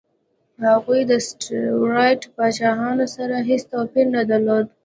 هغوی د سټیوراټ پاچاهانو سره هېڅ توپیر نه درلود.